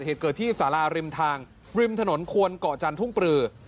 เหตุเกิดที่สาราริมทางริมถนนควนเกาะจันทุ่งปลือ